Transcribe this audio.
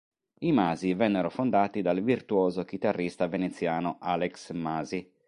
I Masi vennero fondati dal virtuoso chitarrista veneziano Alex Masi.